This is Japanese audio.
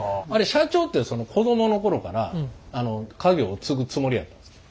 社長って子供の頃から家業を継ぐつもりやったんですか？